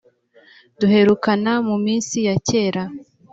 duherukana mu minsi ya kera